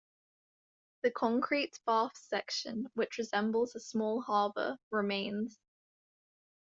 The concrete baths section, which resembles a small harbour, remains.